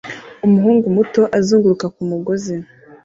Umuhungu muto azunguruka ku mugozi